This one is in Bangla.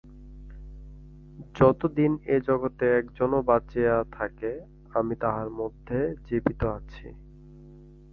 যতদিন এ জগতে একজনও বাঁচিয়া থাকে, আমি তাহার মধ্যে জীবিত আছি।